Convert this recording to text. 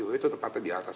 oh itu tempatnya di atas